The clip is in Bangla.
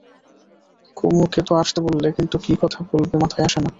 কুমুকে তো বসতে বললে, কিন্তু কী কথা বলবে মাথায় আসে না।